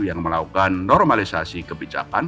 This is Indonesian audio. yang melakukan normalisasi kebijakan